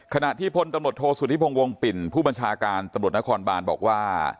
ขณะที่พลตำรวจโทษสุธิพงศ์วงปิ่นผู้บัญชาการตำรวจนครบานบอกว่า